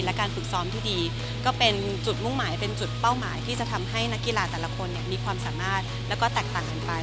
และการฝึกซ้อมที่ดีก็เป็นจุดมุ่งหมายเป็นจุดเป้าหมายที่จะทำให้นักกีฬาแต่ละคนมีความสามารถแล้วก็แตกต่างกันไป